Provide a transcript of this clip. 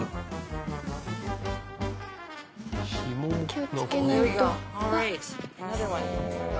気をつけないと。